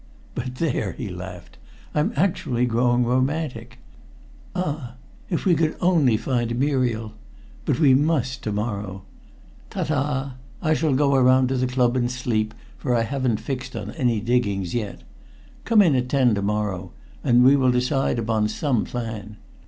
But there!" he laughed, "I'm actually growing romantic. Ah! if we could only find Muriel! But we must to morrow. Ta ta! I shall go around to the club and sleep, for I haven't fixed on any diggings yet. Come in at ten to morrow, and we will decide upon some plan.